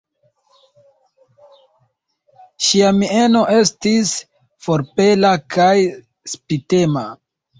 Ŝia mieno estis forpela kaj spitema.